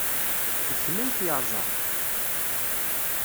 D kemm ay t-yerẓan?